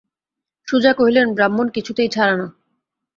সুজা কহিলেন, ব্রাহ্মণ কিছুতেই ছাড়ে না।